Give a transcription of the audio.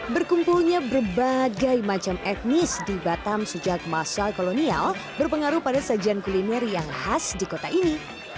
berkumpulnya berbagai macam etnis di batam sejak masa kolonial berpengaruh pada sajian kuliner yang khas di kota ini